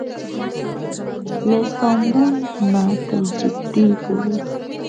له استانبول نه تر جدې پورې.